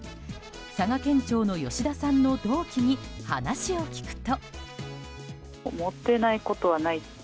佐賀県庁の、吉田さんの同期に話を聞くと。